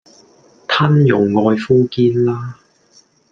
啍用愛膚堅啦